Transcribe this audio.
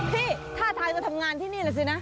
พี่ถ้าถ่ายมาทำงานที่นี่แหละสินะ